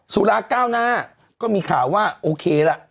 สุราเก้าหน้าก็มีข่าวว่าโอเคล่ะ